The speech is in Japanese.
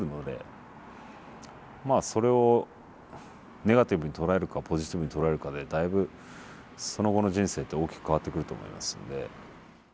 それをネガティブに捉えるかポジティブに捉えるかでだいぶその後の人生って大きく変わってくると思いますので。